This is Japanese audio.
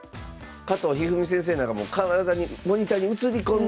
加藤一二三先生なんかもうモニターに映り込んでたり。